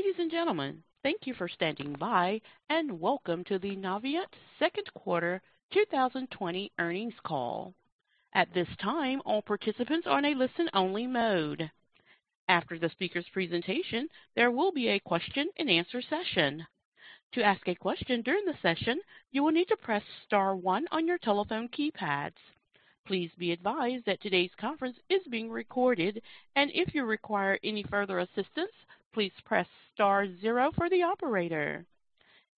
Ladies and gentlemen, thank you for standing by. Welcome to the Navient second quarter 2020 earnings call. At this time, all participants are in a listen only mode. After the speaker's presentation, there will be a question and answer session. To ask a question during the session, you will need to press star one on your telephone keypads. Please be advised that today's conference is being recorded. If you require any further assistance, please press star zero for the operator.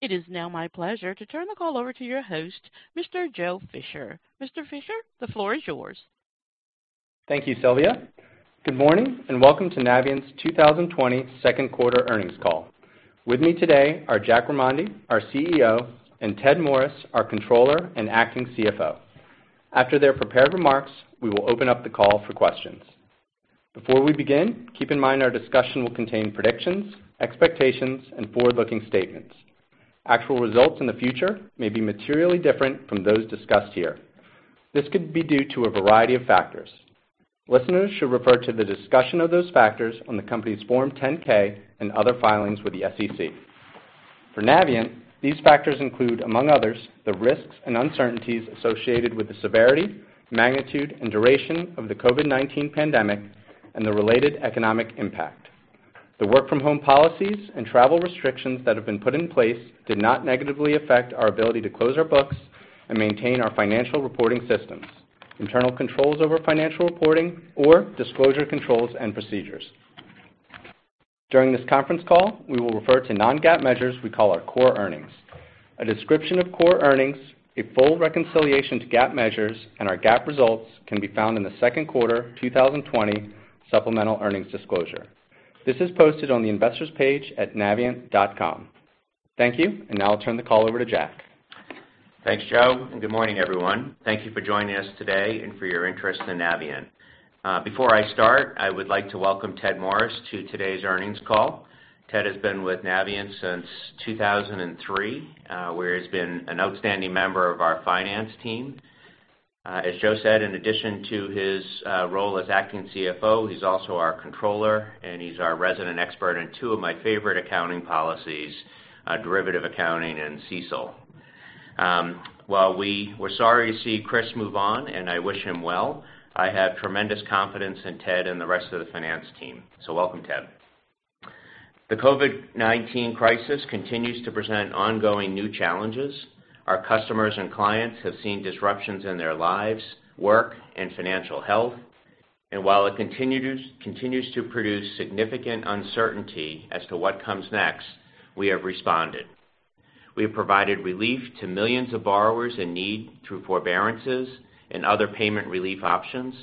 It is now my pleasure to turn the call over to your host, Mr. Joe Fisher. Mr. Fisher, the floor is yours. Thank you, Sylvia. Good morning, welcome to Navient's 2020 second quarter earnings call. With me today are Jack Remondi, our CEO, and Ted Morris, our controller and acting CFO. After their prepared remarks, we will open up the call for questions. Before we begin, keep in mind our discussion will contain predictions, expectations, and forward-looking statements. Actual results in the future may be materially different from those discussed here. This could be due to a variety of factors. Listeners should refer to the discussion of those factors on the company's Form 10-K and other filings with the SEC. For Navient, these factors include, among others, the risks and uncertainties associated with the severity, magnitude, and duration of the COVID-19 pandemic and the related economic impact. The work from home policies and travel restrictions that have been put in place did not negatively affect our ability to close our books and maintain our financial reporting systems, internal controls over financial reporting or disclosure controls and procedures. During this conference call, we will refer to non-GAAP measures we call our core earnings. A description of core earnings, a full reconciliation to GAAP measures, and our GAAP results can be found in the second quarter 2020 supplemental earnings disclosure. This is posted on the investors page at navient.com. Thank you, and now I'll turn the call over to Jack. Thanks, Joe, and good morning, everyone. Thank you for joining us today and for your interest in Navient. Before I start, I would like to welcome Ted Morris to today's earnings call. Ted has been with Navient since 2003, where he's been an outstanding member of our finance team. As Joe said, in addition to his role as acting CFO, he's also our controller, and he's our resident expert in two of my favorite accounting policies, derivative accounting and CECL. While we were sorry to see Chris move on, and I wish him well, I have tremendous confidence in Ted and the rest of the finance team. Welcome, Ted. The COVID-19 crisis continues to present ongoing new challenges. Our customers and clients have seen disruptions in their lives, work, and financial health. While it continues to produce significant uncertainty as to what comes next, we have responded. We have provided relief to millions of borrowers in need through forbearances and other payment relief options.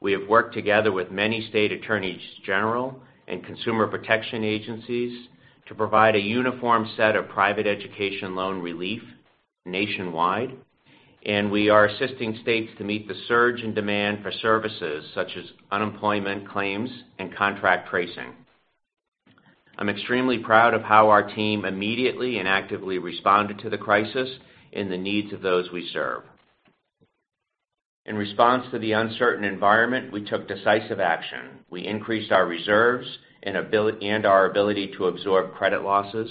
We have worked together with many state attorneys general and consumer protection agencies to provide a uniform set of private education loan relief nationwide. We are assisting states to meet the surge in demand for services such as unemployment claims and contact tracing. I'm extremely proud of how our team immediately and actively responded to the crisis and the needs of those we serve. In response to the uncertain environment, we took decisive action. We increased our reserves and our ability to absorb credit losses,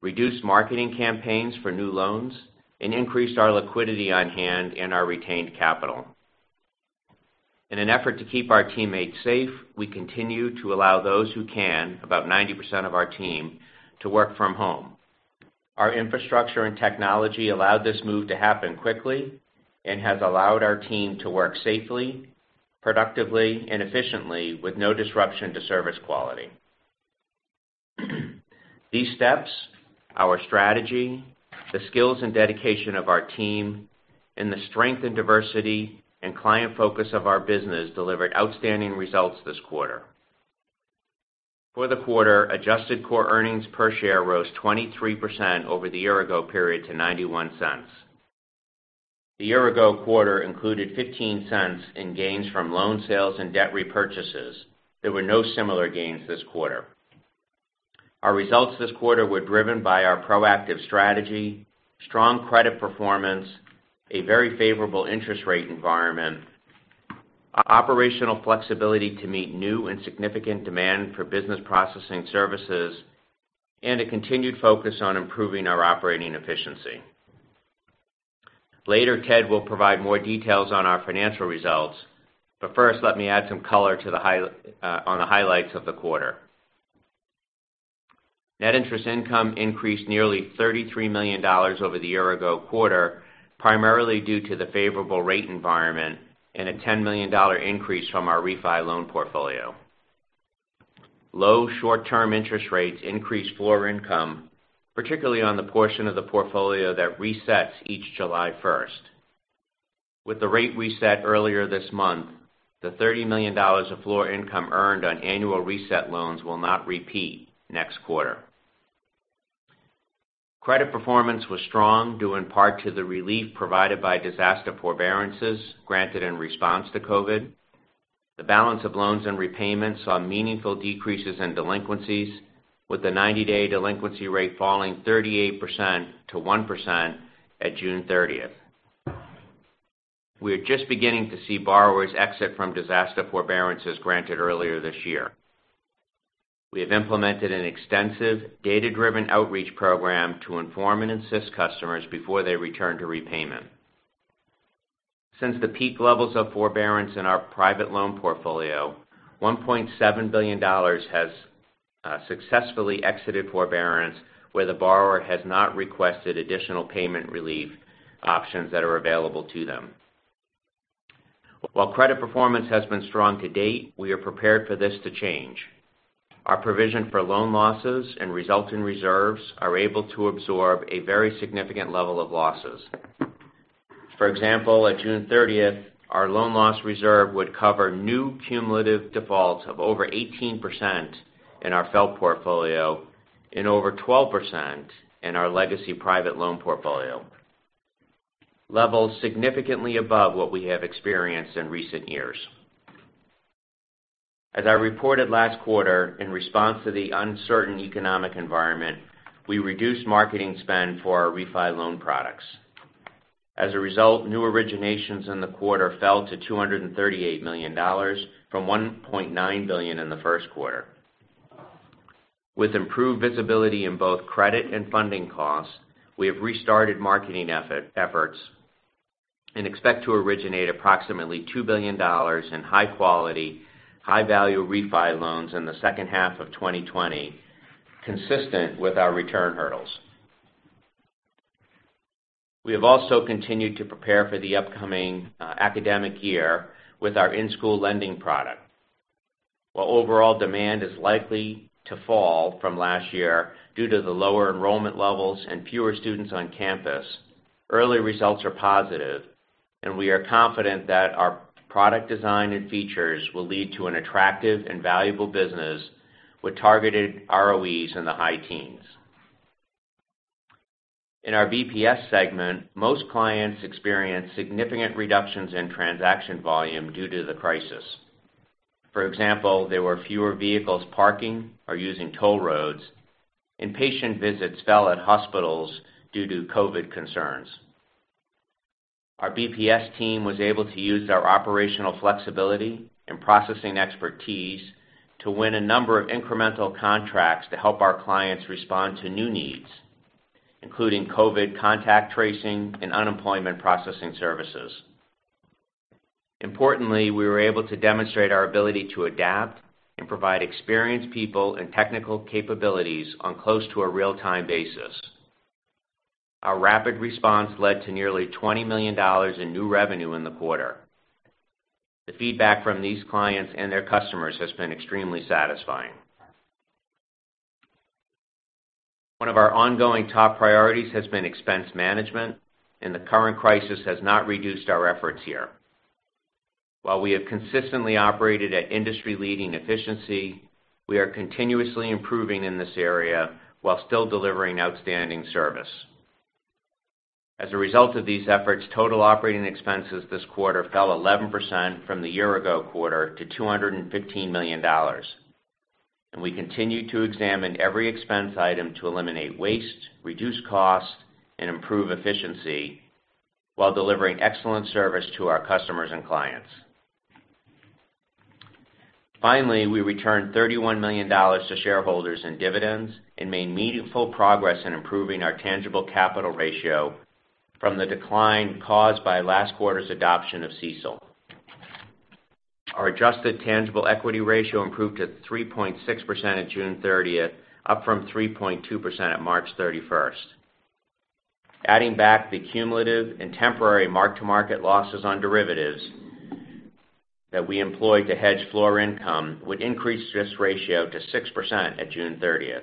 reduced marketing campaigns for new loans, and increased our liquidity on hand and our retained capital. In an effort to keep our teammates safe, we continue to allow those who can, about 90% of our team, to work from home. Our infrastructure and technology allowed this move to happen quickly and has allowed our team to work safely, productively, and efficiently with no disruption to service quality. These steps, our strategy, the skills and dedication of our team, and the strength and diversity and client focus of our business delivered outstanding results this quarter. For the quarter, adjusted core earnings per share rose 23% over the year ago period to $0.91. The year ago quarter included $0.15 in gains from loan sales and debt repurchases. There were no similar gains this quarter. Our results this quarter were driven by our proactive strategy, strong credit performance, a very favorable interest rate environment, operational flexibility to meet new and significant demand for business processing services, and a continued focus on improving our operating efficiency. Later, Ted will provide more details on our financial results, but first, let me add some color on the highlights of the quarter. Net interest income increased nearly $33 million over the year ago quarter, primarily due to the favorable rate environment and a $10 million increase from our refi loan portfolio. Low short-term interest rates increased floor income, particularly on the portion of the portfolio that resets each July 1st. With the rate reset earlier this month, the $30 million of floor income earned on annual reset loans will not repeat next quarter. Credit performance was strong, due in part to the relief provided by disaster forbearances granted in response to COVID. The balance of loans in repayments saw meaningful decreases in delinquencies, with the 90-day delinquency rate falling 38% to 1% at June 30th. We are just beginning to see borrowers exit from disaster forbearances granted earlier this year. We have implemented an extensive data-driven outreach program to inform and assist customers before they return to repayment. Since the peak levels of forbearance in our private loan portfolio, $1.7 billion has successfully exited forbearance where the borrower has not requested additional payment relief options that are available to them. While credit performance has been strong to date, we are prepared for this to change. Our provision for loan losses and resulting reserves are able to absorb a very significant level of losses. For example, at June 30th, our loan loss reserve would cover new cumulative defaults of over 18% in our FFEL portfolio and over 12% in our legacy private loan portfolio, levels significantly above what we have experienced in recent years. As I reported last quarter, in response to the uncertain economic environment, we reduced marketing spend for our refi loan products. As a result, new originations in the quarter fell to $238 million from $1.9 billion in the first quarter. With improved visibility in both credit and funding costs, we have restarted marketing efforts and expect to originate approximately $2 billion in high-quality, high-value refi loans in the second half of 2020, consistent with our return hurdles. We have also continued to prepare for the upcoming academic year with our in-school lending product. While overall demand is likely to fall from last year due to the lower enrollment levels and fewer students on campus, early results are positive, and we are confident that our product design and features will lead to an attractive and valuable business with targeted ROEs in the high teens. In our BPS segment, most clients experienced significant reductions in transaction volume due to the crisis. For example, there were fewer vehicles parking or using toll roads, and patient visits fell at hospitals due to COVID concerns. Our BPS team was able to use our operational flexibility and processing expertise to win a number of incremental contracts to help our clients respond to new needs, including COVID contact tracing and unemployment processing services. We were able to demonstrate our ability to adapt and provide experienced people and technical capabilities on close to a real-time basis. Our rapid response led to nearly $20 million in new revenue in the quarter. The feedback from these clients and their customers has been extremely satisfying. One of our ongoing top priorities has been expense management. The current crisis has not reduced our efforts here. While we have consistently operated at industry-leading efficiency, we are continuously improving in this area while still delivering outstanding service. As a result of these efforts, total operating expenses this quarter fell 11% from the year-ago quarter to $215 million. We continue to examine every expense item to eliminate waste, reduce costs, and improve efficiency while delivering excellent service to our customers and clients. Finally, we returned $31 million to shareholders in dividends and made meaningful progress in improving our tangible capital ratio from the decline caused by last quarter's adoption of CECL. Our adjusted tangible equity ratio improved to 3.6% at June 30th, up from 3.2% at March 31st. Adding back the cumulative and temporary mark-to-market losses on derivatives that we employ to hedge floor income would increase this ratio to 6% at June 30th.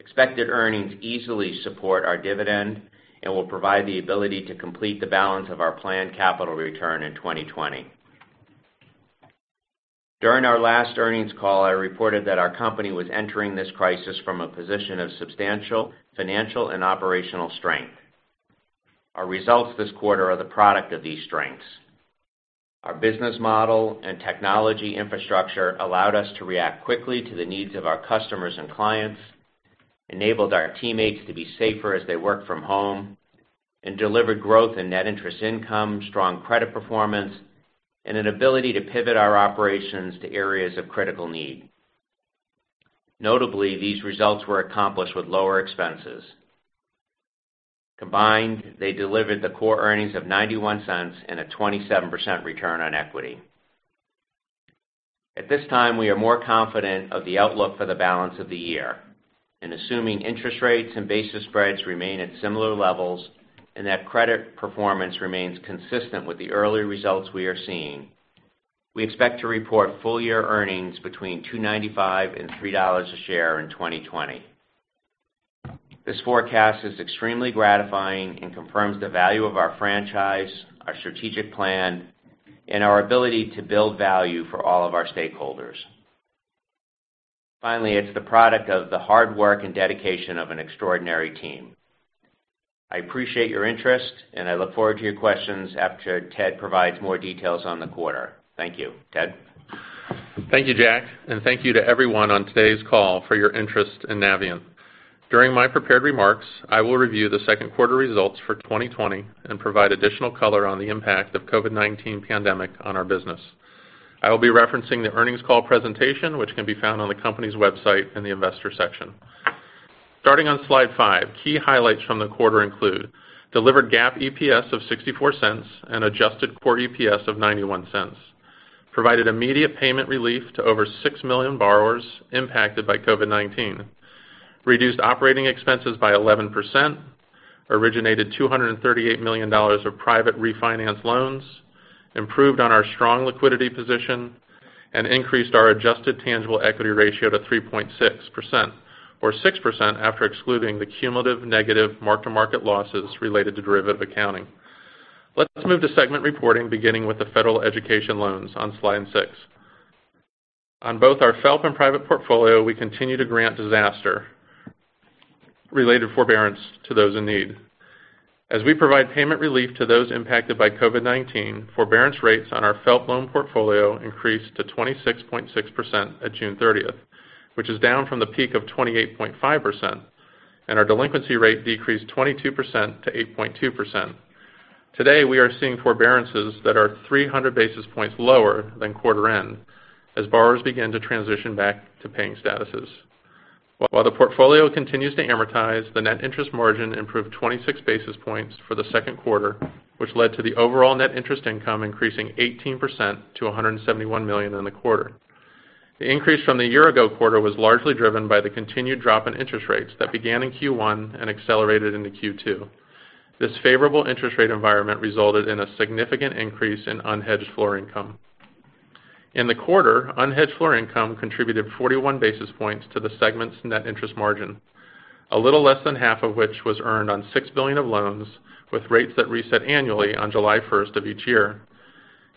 Expected earnings easily support our dividend and will provide the ability to complete the balance of our planned capital return in 2020. During our last earnings call, I reported that our company was entering this crisis from a position of substantial financial and operational strength. Our results this quarter are the product of these strengths. Our business model and technology infrastructure allowed us to react quickly to the needs of our customers and clients, enabled our teammates to be safer as they work from home, and delivered growth in net interest income, strong credit performance, and an ability to pivot our operations to areas of critical need. Notably, these results were accomplished with lower expenses. Combined, they delivered the core earnings of $0.91 and a 27% return on equity. At this time, we are more confident of the outlook for the balance of the year. Assuming interest rates and basis spreads remain at similar levels and that credit performance remains consistent with the early results we are seeing, we expect to report full-year earnings between $2.95 and $3 a share in 2020. This forecast is extremely gratifying and confirms the value of our franchise, our strategic plan, and our ability to build value for all of our stakeholders. Finally, it's the product of the hard work and dedication of an extraordinary team. I appreciate your interest, and I look forward to your questions after Ted provides more details on the quarter. Thank you. Ted? Thank you, Jack, and thank you to everyone on today's call for your interest in Navient. During my prepared remarks, I will review the second quarter results for 2020 and provide additional color on the impact of COVID-19 pandemic on our business. I will be referencing the earnings call presentation, which can be found on the company's website in the investor section. Starting on slide five, key highlights from the quarter include: delivered GAAP EPS of $0.64 and adjusted core EPS of $0.91. Provided immediate payment relief to over 6 million borrowers impacted by COVID-19. Reduced operating expenses by 11%, originated $238 million of private refinance loans, improved on our strong liquidity position, and increased our adjusted tangible equity ratio to 3.6%, or 6% after excluding the cumulative negative mark-to-market losses related to derivative accounting. Let's move to segment reporting, beginning with the federal education loans on slide six. On both our FFELP and private portfolio, we continue to grant disaster-related forbearance to those in need. As we provide payment relief to those impacted by COVID-19, forbearance rates on our FFELP loan portfolio increased to 26.6% at June 30th, which is down from the peak of 28.5%, and our delinquency rate decreased 22% to 8.2%. Today, we are seeing forbearances that are 300 basis points lower than quarter end as borrowers begin to transition back to paying statuses. While the portfolio continues to amortize, the net interest margin improved 26 basis points for the second quarter, which led to the overall net interest income increasing 18% to $171 million in the quarter. The increase from the year ago quarter was largely driven by the continued drop in interest rates that began in Q1 and accelerated into Q2. This favorable interest rate environment resulted in a significant increase in unhedged floor income. In the quarter, unhedged floor income contributed 41 basis points to the segment's net interest margin. A little less than half of which was earned on $6 billion of loans with rates that reset annually on July 1st of each year.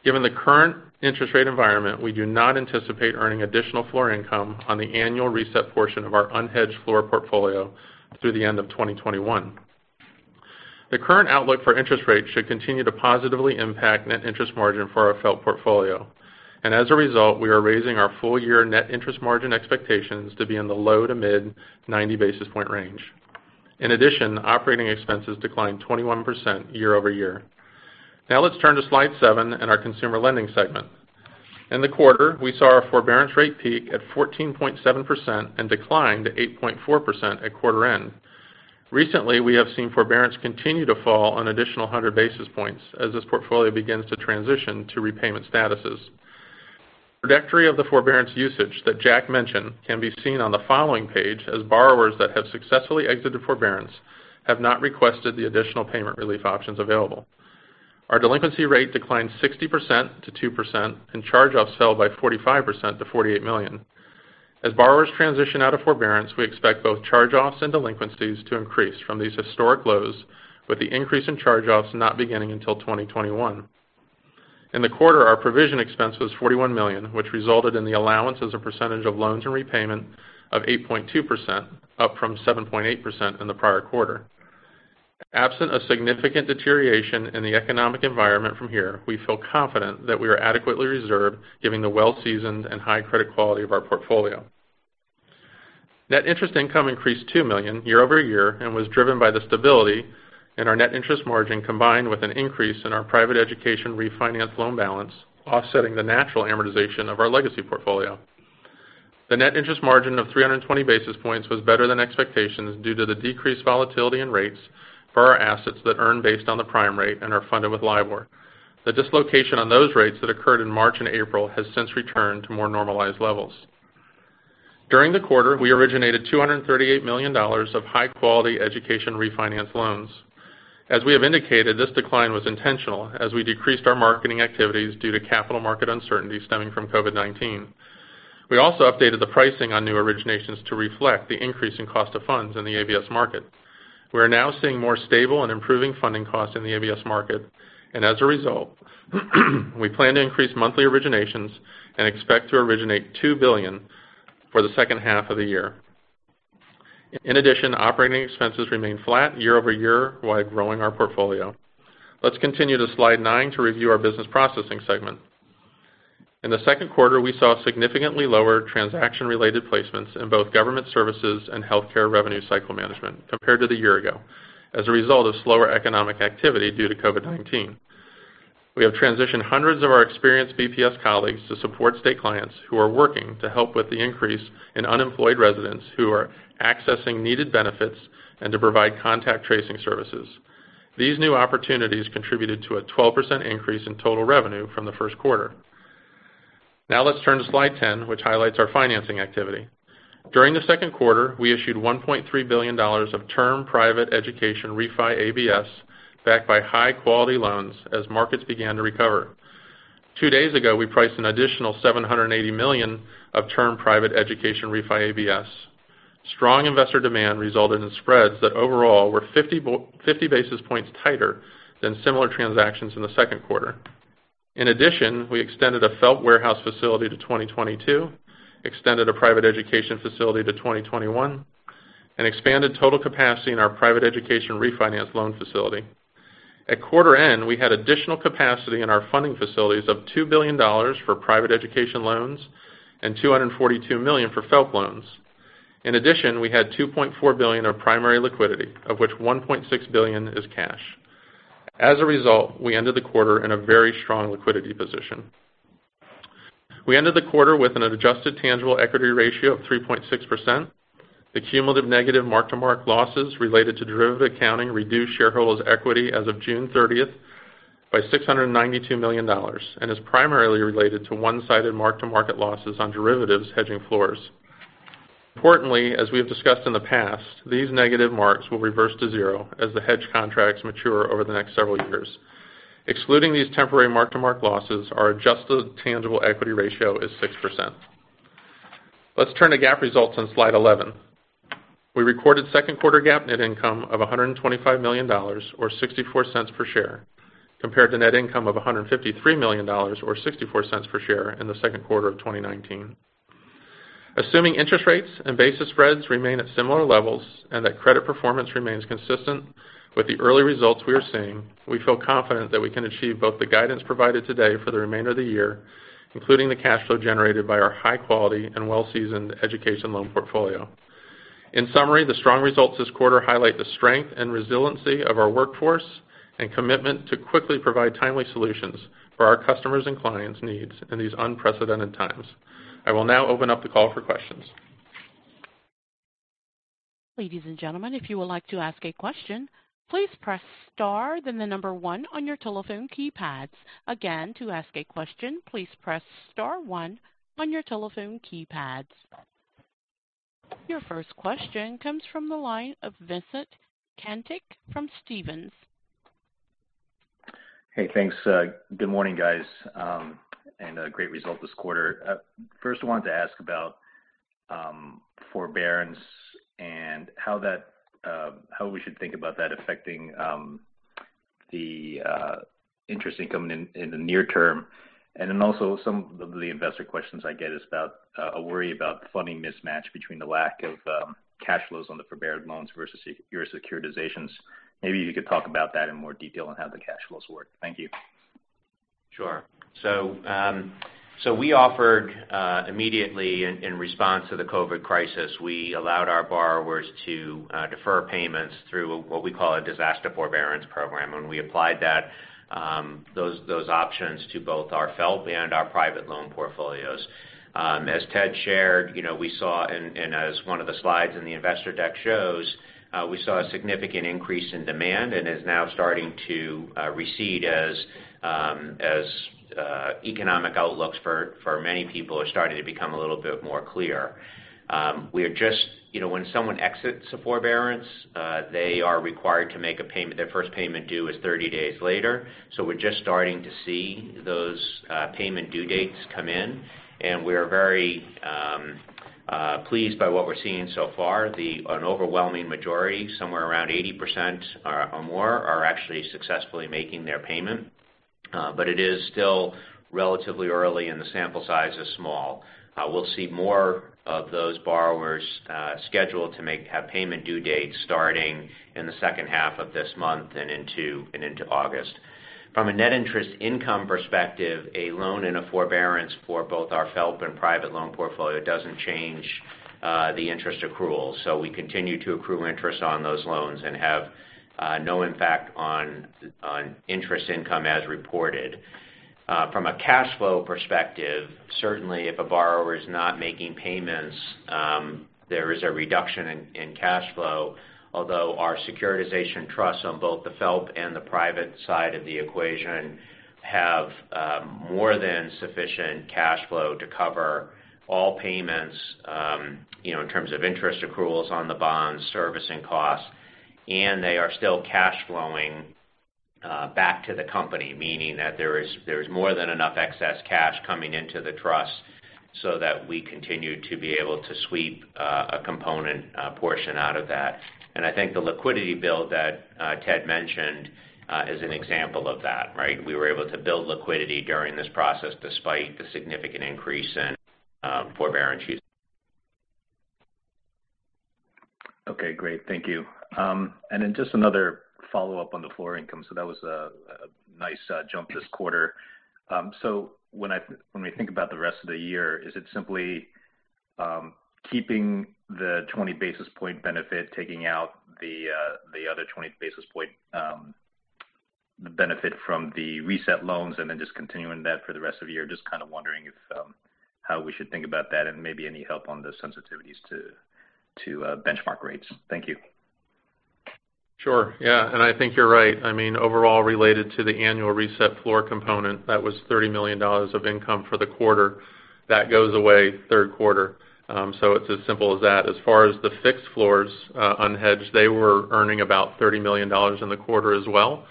Given the current interest rate environment, we do not anticipate earning additional floor income on the annual reset portion of our unhedged floor portfolio through the end of 2021. The current outlook for interest rates should continue to positively impact net interest margin for our FFELP portfolio. As a result, we are raising our full-year net interest margin expectations to be in the low to mid 90 basis point range. In addition, operating expenses declined 21% year-over-year. Let's turn to slide seven and our consumer lending segment. In the quarter, we saw our forbearance rate peak at 14.7% and decline to 8.4% at quarter end. Recently, we have seen forbearance continue to fall an additional 100 basis points as this portfolio begins to transition to repayment statuses. Trajectory of the forbearance usage that Jack mentioned can be seen on the following page, as borrowers that have successfully exited forbearance have not requested the additional payment relief options available. Our delinquency rate declined 60% to 2%, and charge-offs fell by 45% to $48 million. As borrowers transition out of forbearance, we expect both charge-offs and delinquencies to increase from these historic lows, with the increase in charge-offs not beginning until 2021. In the quarter, our provision expense was $41 million, which resulted in the allowance as a percentage of loans and repayment of 8.2%, up from 7.8% in the prior quarter. Absent a significant deterioration in the economic environment from here, we feel confident that we are adequately reserved given the well-seasoned and high credit quality of our portfolio. Net interest income increased $2 million year over year and was driven by the stability in our net interest margin, combined with an increase in our private education refinance loan balance, offsetting the natural amortization of our legacy portfolio. The net interest margin of 320 basis points was better than expectations due to the decreased volatility in rates for our assets that earn based on the prime rate and are funded with LIBOR. The dislocation on those rates that occurred in March and April has since returned to more normalized levels. During the quarter, we originated $238 million of high-quality education refinance loans. As we have indicated, this decline was intentional as we decreased our marketing activities due to capital market uncertainty stemming from COVID-19. We also updated the pricing on new originations to reflect the increase in cost of funds in the ABS market. We're now seeing more stable and improving funding costs in the ABS market. As a result, we plan to increase monthly originations and expect to originate $2 billion for the second half of the year. In addition, operating expenses remain flat year-over-year while growing our portfolio. Let's continue to slide nine to review our business processing segment. In the second quarter, we saw significantly lower transaction-related placements in both government services and healthcare revenue cycle management compared to the year ago as a result of slower economic activity due to COVID-19. We have transitioned hundreds of our experienced BPS colleagues to support state clients who are working to help with the increase in unemployed residents who are accessing needed benefits and to provide contact tracing services. These new opportunities contributed to a 12% increase in total revenue from the first quarter. Let's turn to slide 10, which highlights our financing activity. During the second quarter, we issued $1.3 billion of term private education refi ABS backed by high-quality loans as markets began to recover. Two days ago, we priced an additional $780 million of term private education refi ABS. Strong investor demand resulted in spreads that overall were 50 basis points tighter than similar transactions in the second quarter. In addition, we extended a FFELP warehouse facility to 2022, extended a private education facility to 2021, and expanded total capacity in our private education refinance loan facility. At quarter end, we had additional capacity in our funding facilities of $2 billion for private education loans and $242 million for FFELP loans. In addition, we had $2.4 billion of primary liquidity, of which $1.6 billion is cash. As a result, we ended the quarter in a very strong liquidity position. We ended the quarter with an adjusted tangible equity ratio of 3.6%. The cumulative negative mark-to-market losses related to derivative accounting reduced shareholders' equity as of June 30th by $692 million, and is primarily related to one-sided mark-to-market losses on derivatives hedging floors. Importantly, as we have discussed in the past, these negative marks will reverse to zero as the hedge contracts mature over the next several years. Excluding these temporary mark-to-market losses, our adjusted tangible equity ratio is 6%. Let's turn to GAAP results on slide 11. We recorded second quarter GAAP net income of $125 million, or $0.64 per share, compared to net income of $153 million, or $0.64 per share in the second quarter of 2019. Assuming interest rates and basis spreads remain at similar levels and that credit performance remains consistent with the early results we are seeing, we feel confident that we can achieve both the guidance provided today for the remainder of the year, including the cash flow generated by our high quality and well-seasoned education loan portfolio. In summary, the strong results this quarter highlight the strength and resiliency of our workforce and commitment to quickly provide timely solutions for our customers' and clients' needs in these unprecedented times. I will now open up the call for questions. Ladies and gentlemen, if you would like to ask a question, please press star then the number one on your telephone keypads. Again, to ask a question, please press star one on your telephone keypads. Your first question comes from the line of Vincent Caintic from Stephens. Hey, thanks. Good morning, guys, and a great result this quarter. First, I wanted to ask about forbearance and how we should think about that affecting the interest income in the near term. Then also some of the investor questions I get is about a worry about funding mismatch between the lack of cash flows on the forbearance loans versus your securitizations. Maybe you could talk about that in more detail and how the cash flows work. Thank you. Sure. We offered immediately in response to the COVID-19 crisis, we allowed our borrowers to defer payments through what we call a disaster forbearance program, and we applied those options to both our FFELP and our private loan portfolios. As Ted shared, we saw, and as one of the slides in the investor deck shows, we saw a significant increase in demand and is now starting to recede as economic outlooks for many people are starting to become a little bit more clear. When someone exits a forbearance, they are required to make a payment. Their first payment due is 30 days later. We're just starting to see those payment due dates come in, and we are very pleased by what we're seeing so far. An overwhelming majority, somewhere around 80% or more, are actually successfully making their payment. It is still relatively early and the sample size is small. We'll see more of those borrowers scheduled to have payment due dates starting in the second half of this month and into August. From a net interest income perspective, a loan in a forbearance for both our FFELP and private loan portfolio doesn't change the interest accruals. We continue to accrue interest on those loans and have no impact on interest income as reported. From a cash flow perspective, certainly if a borrower is not making payments, there is a reduction in cash flow. Although our securitization trust on both the FFELP and the private side of the equation have more than sufficient cash flow to cover all payments, in terms of interest accruals on the bonds, servicing costs, and they are still cash flowing back to the company, meaning that there is more than enough excess cash coming into the trust so that we continue to be able to sweep a component portion out of that. I think the liquidity build that Ted mentioned is an example of that, right? We were able to build liquidity during this process despite the significant increase in forbearance use. Okay, great. Thank you. Then just another follow-up on the floor income. That was a nice jump this quarter. When we think about the rest of the year, is it simply keeping the 20 basis point benefit, taking out the other 20 basis point benefit from the reset loans and then just continuing that for the rest of the year? Just kind of wondering how we should think about that and maybe any help on the sensitivities to benchmark rates. Thank you. Sure. Yeah. I think you're right. I mean, overall, related to the annual reset floor component, that was $30 million of income for the quarter. That goes away third quarter. It's as simple as that. As far as the fixed floors unhedged, they were earning about $30 million in the quarter as well.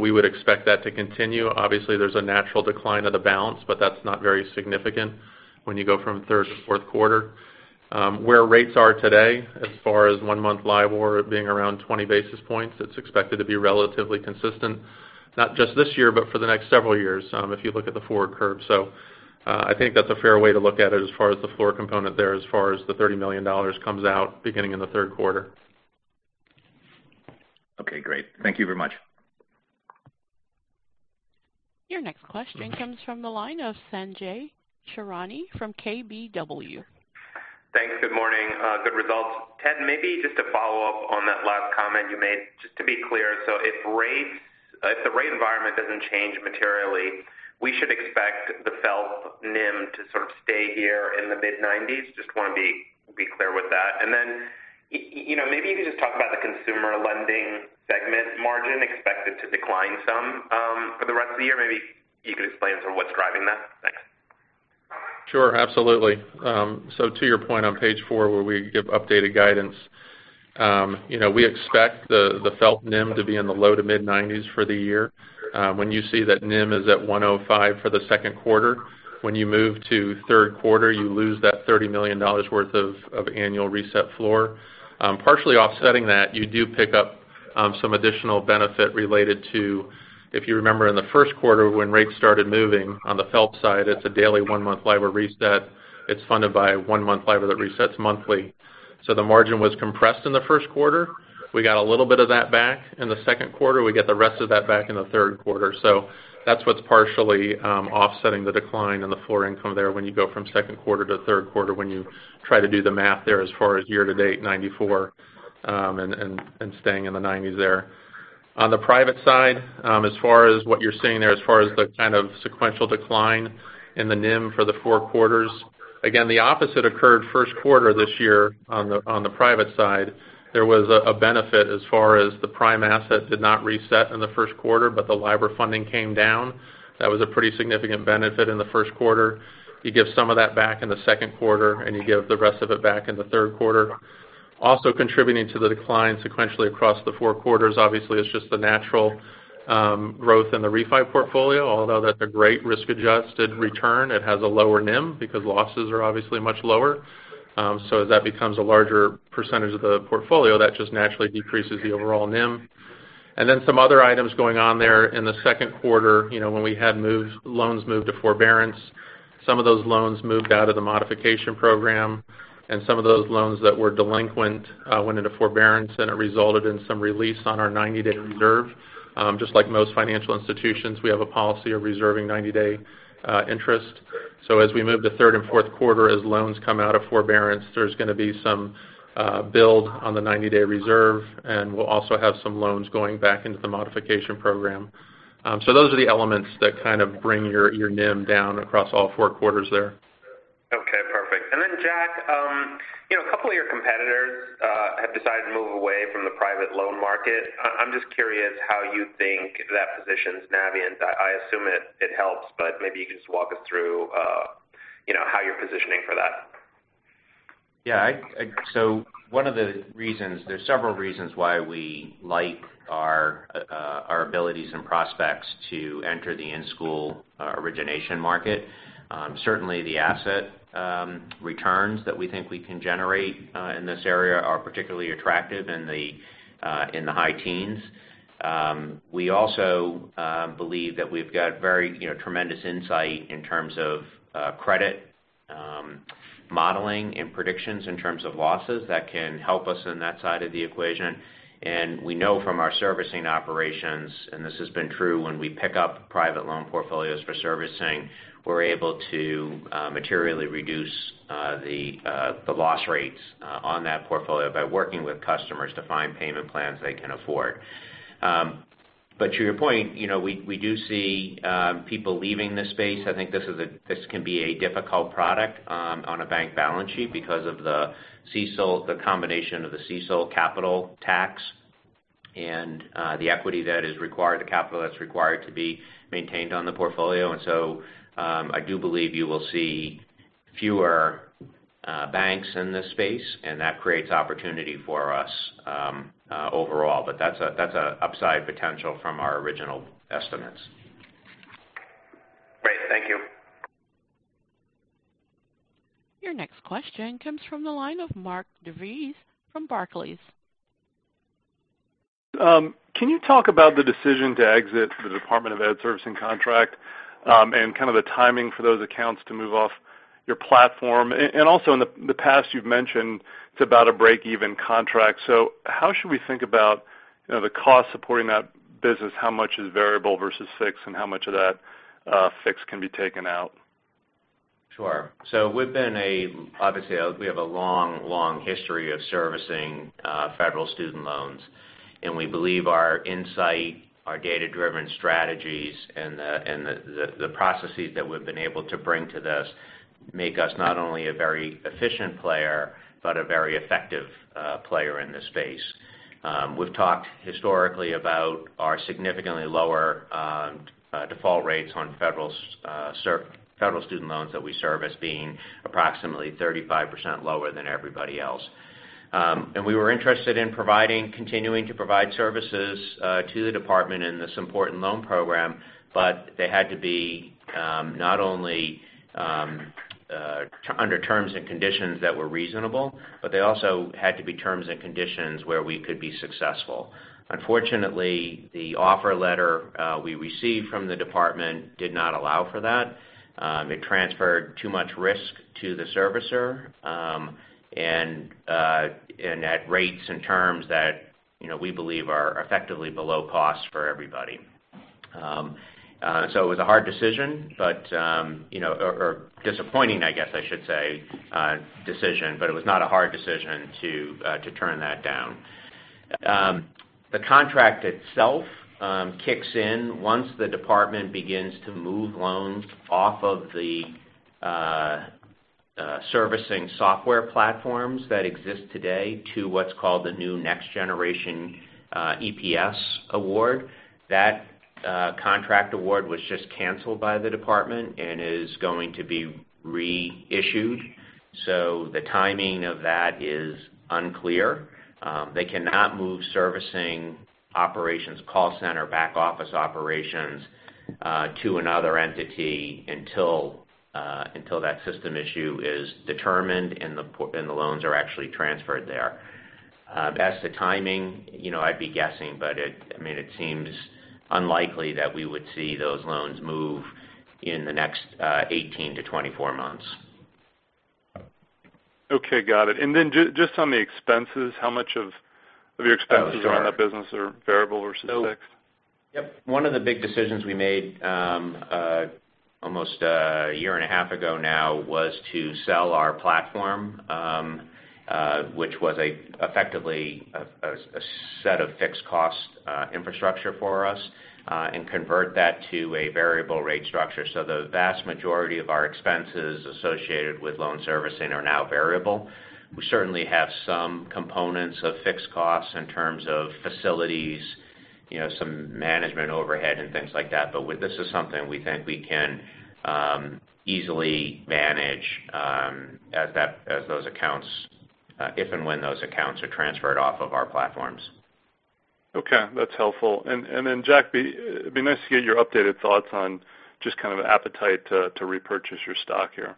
We would expect that to continue. Obviously, there's a natural decline of the balance, but that's not very significant when you go from third to fourth quarter. Where rates are today, as far as one-month LIBOR being around 20 basis points, it's expected to be relatively consistent. Not just this year, but for the next several years if you look at the forward curve. I think that's a fair way to look at it as far as the floor component there, as far as the $30 million comes out beginning in the third quarter. Okay, great. Thank you very much. Your next question comes from the line of Sanjay Sakhrani from KBW. Thanks. Good morning. Good results. Ted, maybe just to follow up on that last comment you made, just to be clear. If the rate environment doesn't change materially, we should expect the FFELP NIM to sort of stay here in the mid-90s? Just want to be clear with that. Maybe you could just talk about the consumer lending segment margin expected to decline some for the rest of the year. Maybe you could explain sort of what's driving that. Thanks. Sure. Absolutely. To your point on page four where we give updated guidance, we expect the FFELP NIM to be in the low to mid-90s for the year. When you see that NIM is at 105 for the second quarter, when you move to third quarter, you lose that $30 million worth of annual reset floor. Partially offsetting that, you do pick up some additional benefit related to, if you remember in the first quarter when rates started moving on the FFELP side, it's a daily one-month LIBOR reset. It's funded by a one-month LIBOR that resets monthly. The margin was compressed in the first quarter. We got a little bit of that back in the second quarter. We get the rest of that back in the third quarter. That's what's partially offsetting the decline in the floor income there when you go from second quarter to third quarter, when you try to do the math there as far as year to date 94 and staying in the 90s there. On the private side, as far as what you're seeing there, as far as the kind of sequential decline in the NIM for the four quarters, again, the opposite occurred first quarter this year on the private side. There was a benefit as far as the prime asset did not reset in the first quarter, but the LIBOR funding came down. That was a pretty significant benefit in the first quarter. You give some of that back in the second quarter, and you give the rest of it back in the third quarter. Also contributing to the decline sequentially across the four quarters, obviously, is just the natural growth in the refi portfolio, although that's a great risk-adjusted return. It has a lower NIM because losses are obviously much lower. As that becomes a larger percentage of the portfolio, that just naturally decreases the overall NIM. Some other items going on there in the second quarter, when we had loans moved to forbearance, some of those loans moved out of the modification program, and some of those loans that were delinquent went into forbearance, and it resulted in some release on our 90-day reserve. Just like most financial institutions, we have a policy of reserving 90-day interest. As we move to third and fourth quarter, as loans come out of forbearance, there's going to be some build on the 90-day reserve, and we'll also have some loans going back into the modification program. Those are the elements that kind of bring your NIM down across all four quarters there. Okay, perfect. Jack, a couple of your competitors have decided to move away from the private loan market. I'm just curious how you think that positions Navient. I assume it helps, but maybe you could just walk us through how you're positioning for that. Yeah. There's several reasons why we like our abilities and prospects to enter the in-school origination market. Certainly, the asset returns that we think we can generate in this area are particularly attractive in the high teens. We also believe that we've got very tremendous insight in terms of credit modeling and predictions in terms of losses that can help us in that side of the equation. We know from our servicing operations, and this has been true when we pick up private loan portfolios for servicing, we're able to materially reduce the loss rates on that portfolio by working with customers to find payment plans they can afford. To your point, we do see people leaving this space. I think this can be a difficult product on a bank balance sheet because of the combination of the CECL capital tax and the equity that is required, the capital that's required to be maintained on the portfolio. I do believe you will see fewer banks in this space, and that creates opportunity for us overall. That's a upside potential from our original estimates. Great. Thank you. Your next question comes from the line of Mark DeVries from Barclays. Can you talk about the decision to exit the Department of Education servicing contract and kind of the timing for those accounts to move off your platform? Also in the past, you've mentioned it's about a break-even contract. How should we think about the cost supporting that business? How much is variable versus fixed, and how much of that fix can be taken out? Sure. Obviously, we have a long, long history of servicing federal student loans. We believe our insight, our data-driven strategies, and the processes that we've been able to bring to this make us not only a very efficient player but a very effective player in this space. We've talked historically about our significantly lower default rates on federal student loans that we service being approximately 35% lower than everybody else. We were interested in continuing to provide services to the department in this important loan program. They had to be not only under terms and conditions that were reasonable, but they also had to be terms and conditions where we could be successful. Unfortunately, the offer letter we received from the department did not allow for that. It transferred too much risk to the servicer, and at rates and terms that we believe are effectively below cost for everybody. It was a hard decision, or disappointing, I guess I should say, decision, but it was not a hard decision to turn that down. The contract itself kicks in once the Department of Education begins to move loans off of the servicing software platforms that exist today to what's called the new Next Generation EPS award. That contract award was just canceled by the Department of Education and is going to be reissued. The timing of that is unclear. They cannot move servicing operations, call center, back office operations, to another entity until that system issue is determined and the loans are actually transferred there. As to timing, I'd be guessing, but it seems unlikely that we would see those loans move in the next 18 to 24 months. Okay, got it. Just on the expenses, how much of your expenses around that business are variable versus fixed? Yep. One of the big decisions we made almost a year and a half ago now was to sell our platform, which was effectively a set of fixed cost infrastructure for us, and convert that to a variable rate structure. The vast majority of our expenses associated with loan servicing are now variable. We certainly have some components of fixed costs in terms of facilities, some management overhead and things like that. This is something we think we can easily manage if and when those accounts are transferred off of our platforms. Okay, that's helpful. Jack, it'd be nice to get your updated thoughts on just kind of appetite to repurchase your stock here.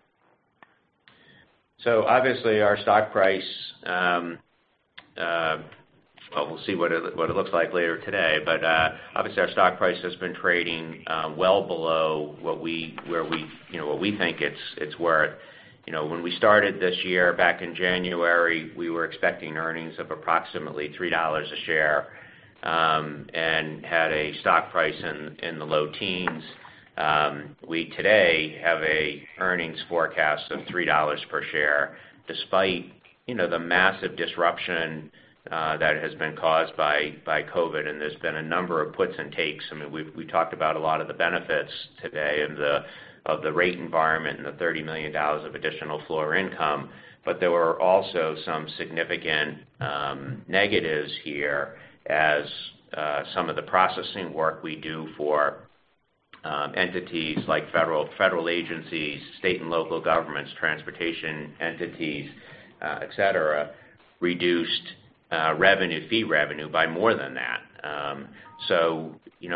Obviously our stock price, well, we'll see what it looks like later today. Obviously our stock price has been trading well below what we think it's worth. When we started this year, back in January, we were expecting earnings of approximately $3 a share, and had a stock price in the low teens. We today have an earnings forecast of $3 per share, despite the massive disruption that has been caused by COVID. There's been a number of puts and takes. We talked about a lot of the benefits today of the rate environment and the $30 million of additional floor income. There were also some significant negatives here as some of the processing work we do for entities like federal agencies, state and local governments, transportation entities, et cetera, reduced fee revenue by more than that. When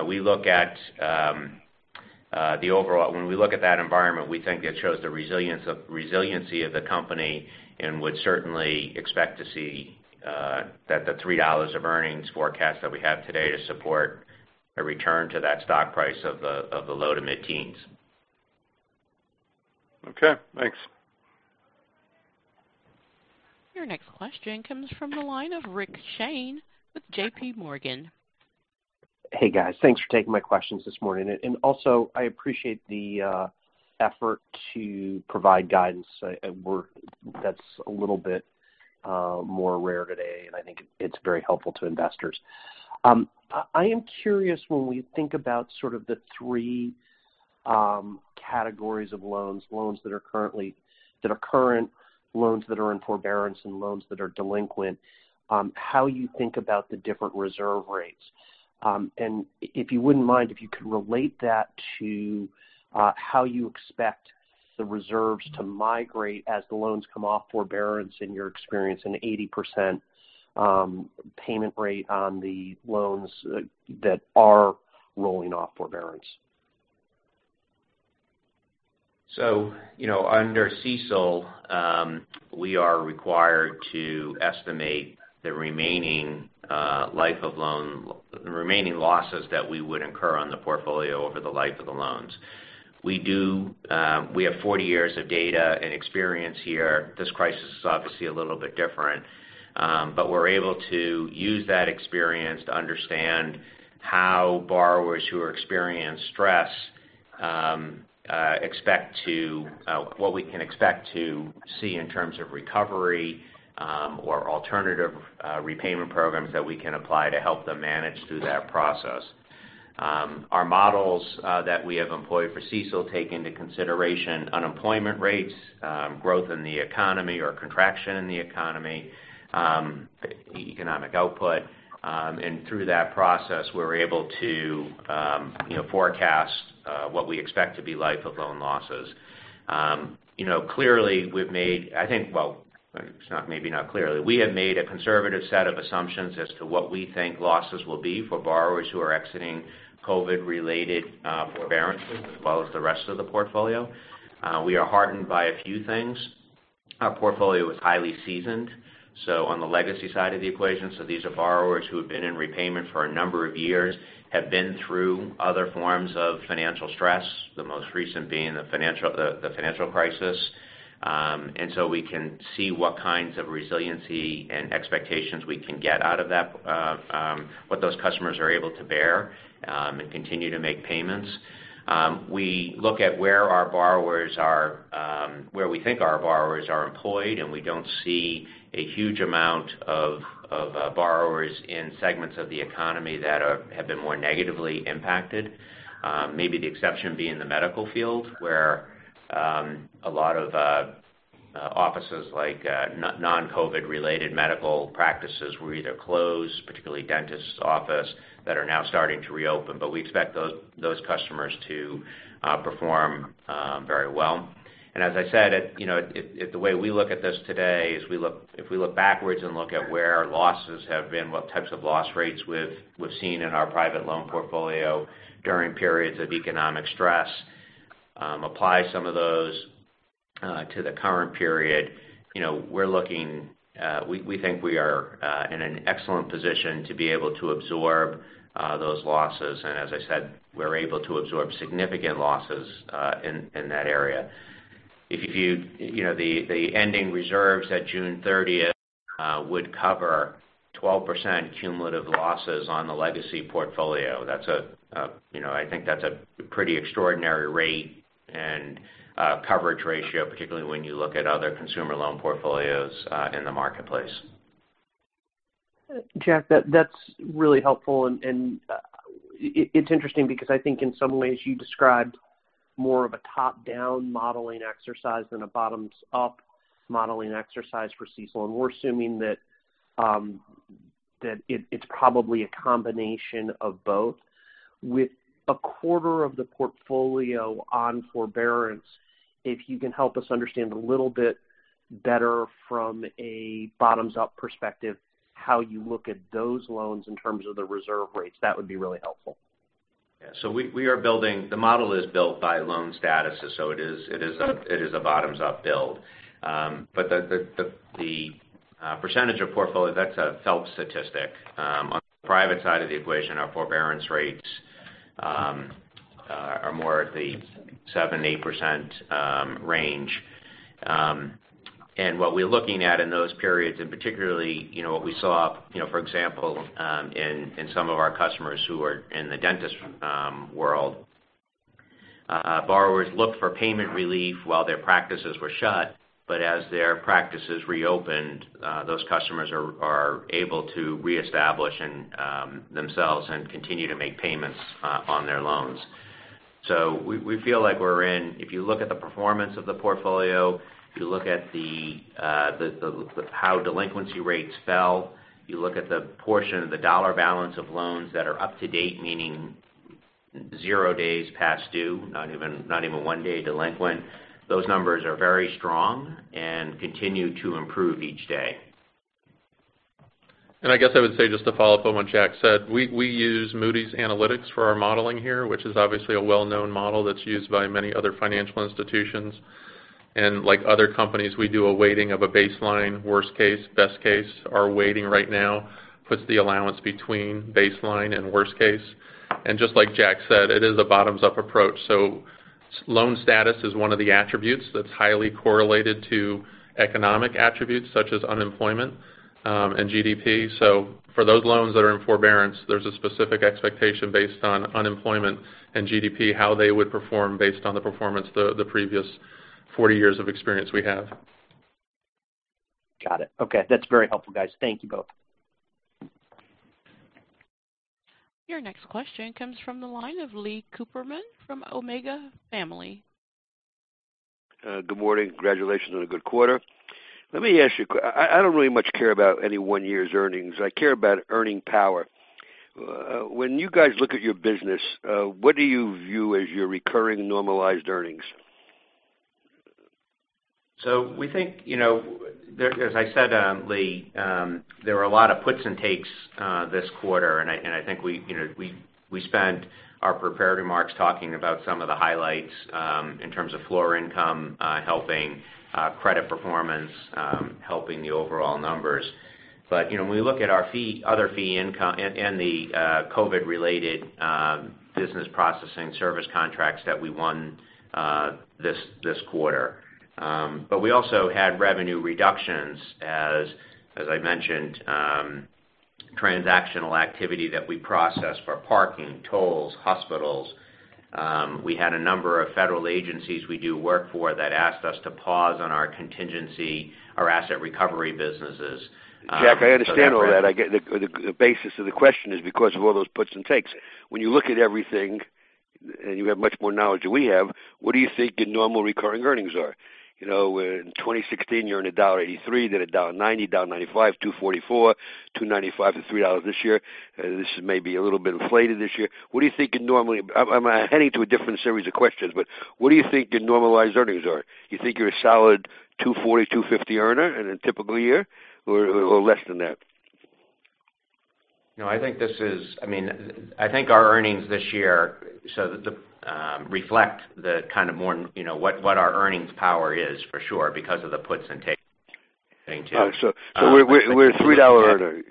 we look at that environment, we think it shows the resiliency of the company, and would certainly expect to see that the $3 of earnings forecast that we have today to support a return to that stock price of the low to mid-teens. Okay, thanks. Your next question comes from the line of Rick Shane with JPMorgan. Hey, guys. Thanks for taking my questions this morning. I appreciate the effort to provide guidance at work. That's a little bit more rare today, and I think it's very helpful to investors. I am curious when we think about sort of the three categories of loans that are current, loans that are in forbearance, and loans that are delinquent, how you think about the different reserve rates. If you wouldn't mind, if you could relate that to how you expect the reserves to migrate as the loans come off forbearance in your experience and 80% payment rate on the loans that are rolling off forbearance. Under CECL, we are required to estimate the remaining losses that we would incur on the portfolio over the life of the loans. We have 40 years of data and experience here. This crisis is obviously a little bit different. We're able to use that experience to understand how borrowers who experience stress, what we can expect to see in terms of recovery or alternative repayment programs that we can apply to help them manage through that process. Our models that we have employed for CECL take into consideration unemployment rates, growth in the economy or contraction in the economy, economic output. Through that process, we're able to forecast what we expect to be life of loan losses. Clearly we've made, I think, well. It's maybe not clear. We have made a conservative set of assumptions as to what we think losses will be for borrowers who are exiting COVID-related forbearances as well as the rest of the portfolio. We are heartened by a few things. Our portfolio is highly seasoned, on the legacy side of the equation. These are borrowers who have been in repayment for a number of years, have been through other forms of financial stress, the most recent being the financial crisis. We can see what kinds of resiliency and expectations we can get out of that, what those customers are able to bear, and continue to make payments. We look at where we think our borrowers are employed, and we don't see a huge amount of borrowers in segments of the economy that have been more negatively impacted. Maybe the exception being the medical field, where a lot of offices, like non-COVID related medical practices were either closed, particularly dentist's office, that are now starting to reopen. We expect those customers to perform very well. As I said, the way we look at this today is if we look backwards and look at where our losses have been, what types of loss rates we've seen in our private loan portfolio during periods of economic stress, apply some of those to the current period. We think we are in an excellent position to be able to absorb those losses. As I said, we're able to absorb significant losses in that area. The ending reserves at June 30th would cover 12% cumulative losses on the legacy portfolio. I think that's a pretty extraordinary rate and coverage ratio, particularly when you look at other consumer loan portfolios in the marketplace. Jack, that's really helpful. It's interesting because I think in some ways you described more of a top-down modeling exercise than a bottoms-up modeling exercise for CECL, and we're assuming that it's probably a combination of both. With a quarter of the portfolio on forbearance, if you can help us understand a little bit better from a bottoms-up perspective how you look at those loans in terms of the reserve rates. That would be really helpful. Yeah. The model is built by loan statuses, so it is a bottoms-up build. The percentage of portfolio, that's a FFELP statistic. On the private side of the equation, our forbearance rates are more at the 7%-8% range. What we're looking at in those periods, particularly, what we saw, for example, in some of our customers who are in the dentist world. Borrowers looked for payment relief while their practices were shut, but as their practices reopened, those customers are able to reestablish themselves and continue to make payments on their loans. We feel like if you look at the performance of the portfolio, if you look at how delinquency rates fell, you look at the portion of the dollar balance of loans that are up to date, meaning 0 days past due, not even one day delinquent. Those numbers are very strong and continue to improve each day. I guess I would say, just to follow up on what Jack said, we use Moody's Analytics for our modeling here, which is obviously a well-known model that's used by many other financial institutions. Like other companies, we do a weighting of a baseline, worst case, best case. Our weighting right now puts the allowance between baseline and worst case. Just like Jack said, it is a bottoms-up approach. Loan status is one of the attributes that's highly correlated to economic attributes such as unemployment and GDP. For those loans that are in forbearance, there's a specific expectation based on unemployment and GDP, how they would perform based on the performance the previous 40 years of experience we have. Got it. Okay. That's very helpful, guys. Thank you both. Your next question comes from the line of Lee Cooperman from Omega Family. Good morning. Congratulations on a good quarter. Let me ask you. I don't really much care about any one year's earnings. I care about earning power. When you guys look at your business, what do you view as your recurring normalized earnings? We think, as I said, Lee, there were a lot of puts and takes this quarter, and I think we spent our prepared remarks talking about some of the highlights, in terms of floor income helping credit performance, helping the overall numbers. When we look at our other fee income and the COVID-related business processing service contracts that we won this quarter. We also had revenue reductions, as I mentioned, transactional activity that we process for parking, tolls, hospitals. We had a number of federal agencies we do work for that asked us to pause on our contingency, our asset recovery businesses. Jack, I understand all that. The basis of the question is because of all those puts and takes. When you look at everything, and you have much more knowledge than we have, what do you think your normal recurring earnings are? In 2016, you earned $1.83, then $1.90, $1.95, $2.44, $2.95-$3.00 this year. This is maybe a little bit inflated this year. What do you think your normalized earnings are? You think you're a solid $2.40, $2.50 earner in a typical year, or less than that? No, I think our earnings this year reflect what our earnings power is for sure because of the puts and takes thing too. We're a $three earner.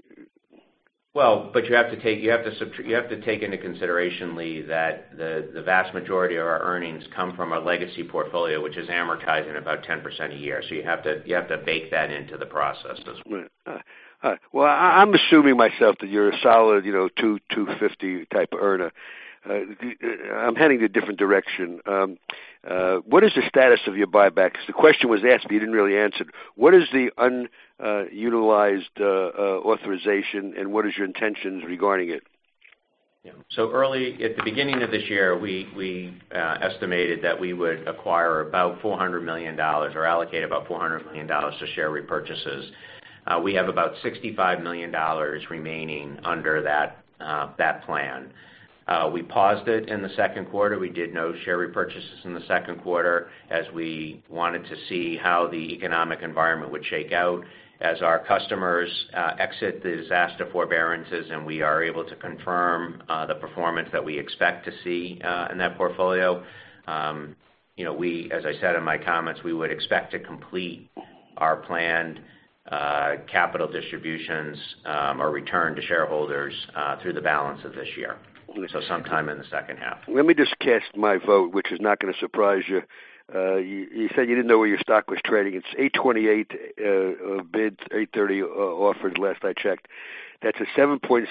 Well, you have to take into consideration, Lee, that the vast majority of our earnings come from our legacy portfolio, which is amortizing about 10% a year. You have to bake that into the process as well. Right. Well, I'm assuming myself that you're a solid, two, 250 type earner. I'm heading in a different direction. What is the status of your buyback? Because the question was asked, but you didn't really answer. What is the unutilized authorization, and what is your intentions regarding it? Yeah. Early at the beginning of this year, we estimated that we would acquire about $400 million or allocate about $400 million to share repurchases. We have about $65 million remaining under that plan. We paused it in the second quarter. We did no share repurchases in the second quarter as we wanted to see how the economic environment would shake out as our customers exit the disaster forbearances, and we are able to confirm the performance that we expect to see in that portfolio. As I said in my comments, we would expect to complete our planned capital distributions or return to shareholders through the balance of this year. Sometime in the second half. Let me just cast my vote, which is not going to surprise you. You said you didn't know where your stock was trading. It's 828 bids, 830 offers, last I checked. That's a 7.7%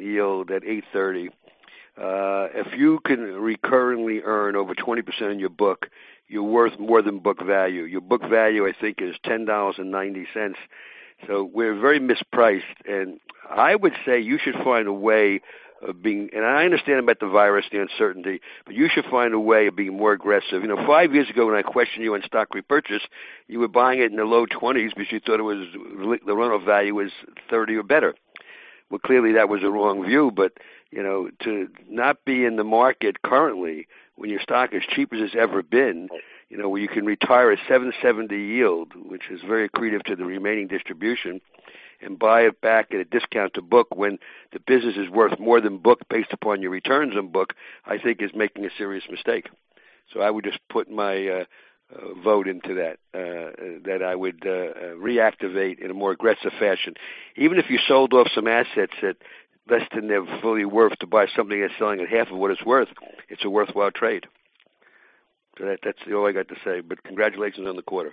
yield at 830. If you can recurringly earn over 20% on your book, you're worth more than book value. Your book value, I think, is $10.90. We're very mispriced. I would say you should find a way of being and I understand about the virus, the uncertainty, but you should find a way of being more aggressive. Five years ago, when I questioned you on stock repurchase, you were buying it in the low twenties because you thought the run-off value was 30 or better. Well, clearly that was a wrong view. To not be in the market currently when your stock is cheapest it's ever been. Right where you can retire a 770 yield, which is very accretive to the remaining distribution, and buy it back at a discount to book when the business is worth more than book based upon your returns on book, I think is making a serious mistake. I would just put my vote into that. That I would reactivate in a more aggressive fashion. Even if you sold off some assets at less than their fully worth to buy something that's selling at half of what it's worth, it's a worthwhile trade. That's all I got to say, but congratulations on the quarter.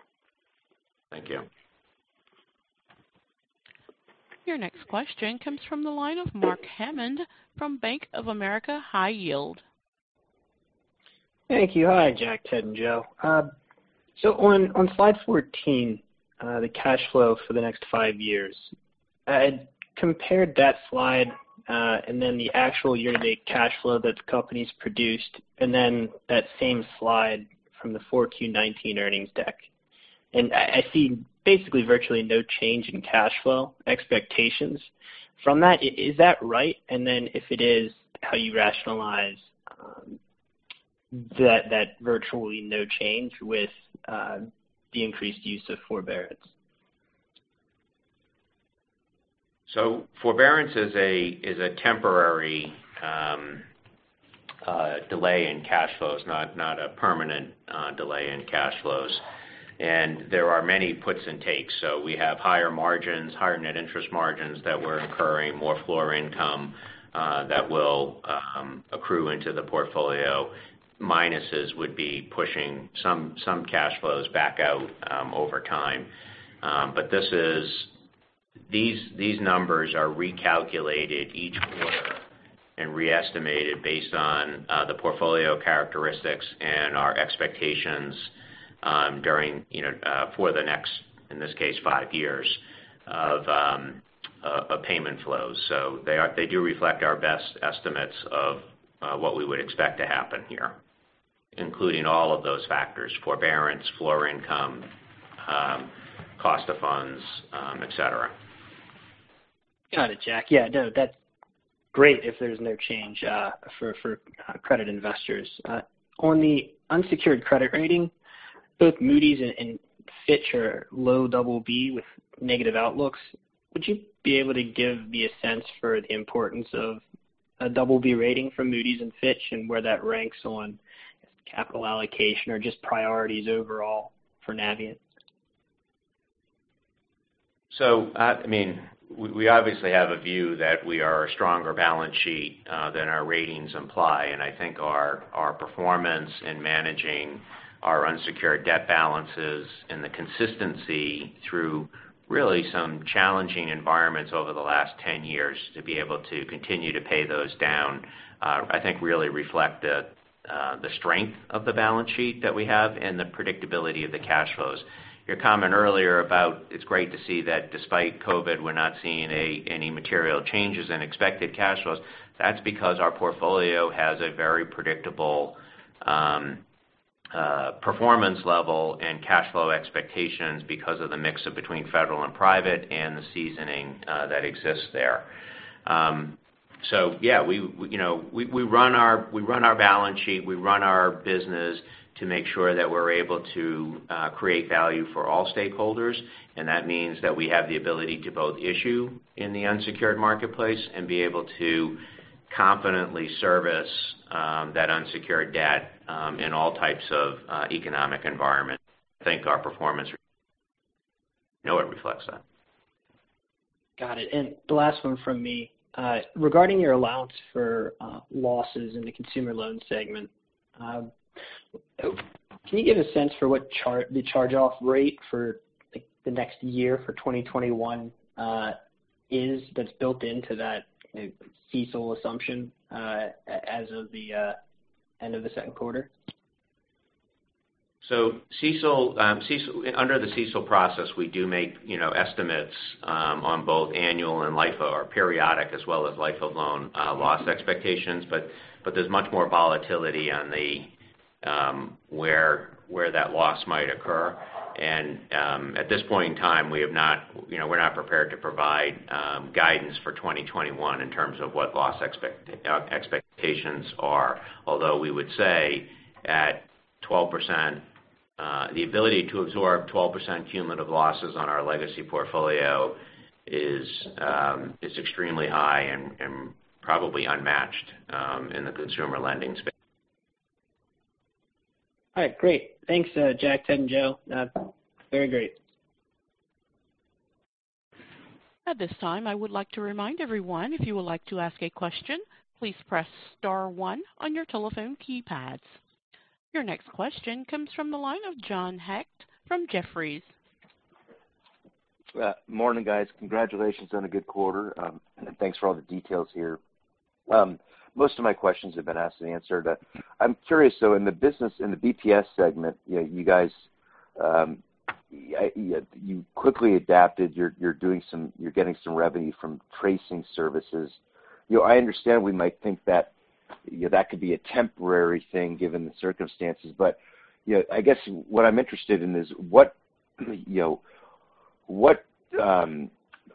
Thank you. Your next question comes from the line of Mark Hammond from Bank of America High Yield. Thank you. Hi, Jack, Ted, and Joe. On slide 14, the cash flow for the next five years. I compared that slide, and then the actual year-to-date cash flow that the company's produced, and then that same slide from the 4Q19 earnings deck. I see basically virtually no change in cash flow expectations from that. Is that right? If it is, how you rationalize that virtually no change with the increased use of forbearance. Forbearance is a temporary delay in cash flows, not a permanent delay in cash flows. There are many puts and takes. We have higher margins, higher net interest margins that we're incurring, more floor income that will accrue into the portfolio. Minuses would be pushing some cash flows back out over time. These numbers are recalculated each quarter and re-estimated based on the portfolio characteristics and our expectations for the next, in this case, five years of payment flows. They do reflect our best estimates of what we would expect to happen here, including all of those factors, forbearance, floor income, cost of funds, et cetera. Got it, Jack. Yeah, that's great if there's no change for credit investors. On the unsecured credit rating, both Moody's and Fitch are low double B with negative outlooks. Would you be able to give me a sense for the importance of a double B rating from Moody's and Fitch and where that ranks on capital allocation or just priorities overall for Navient? We obviously have a view that we are a stronger balance sheet than our ratings imply. I think our performance in managing our unsecured debt balances and the consistency through really some challenging environments over the last 10 years to be able to continue to pay those down, I think really reflect the strength of the balance sheet that we have and the predictability of the cash flows. Your comment earlier about it's great to see that despite COVID-19, we're not seeing any material changes in expected cash flows. That's because our portfolio has a very predictable performance level and cash flow expectations because of the mix between federal and private and the seasoning that exists there. Yeah, we run our balance sheet, we run our business to make sure that we're able to create value for all stakeholders, and that means that we have the ability to both issue in the unsecured marketplace and be able to confidently service that unsecured debt in all types of economic environments. I think our performance really know it reflects that. Got it. The last one from me. Regarding your allowance for losses in the consumer loan segment, can you give a sense for what the charge-off rate for the next year, for 2021 is that's built into that CECL assumption as of the end of the second quarter? Under the CECL process, we do make estimates on both annual and life of or periodic as well as life of loan loss expectations. There's much more volatility on where that loss might occur. At this point in time, we're not prepared to provide guidance for 2021 in terms of what loss expectations are. Although we would say at 12%, the ability to absorb 12% cumulative losses on our legacy portfolio is extremely high and probably unmatched in the consumer lending space. All right. Great. Thanks, Jack, Ted, and Joe. Very great. At this time, I would like to remind everyone, if you would like to ask a question, please press star one on your telephone keypads. Your next question comes from the line of John Hecht from Jefferies. Morning, guys. Congratulations on a good quarter. Thanks for all the details here. Most of my questions have been asked and answered. I'm curious, so in the business, in the BPS segment, you guys quickly adapted. You're getting some revenue from tracing services. I understand we might think that that could be a temporary thing given the circumstances, but I guess what I'm interested in is what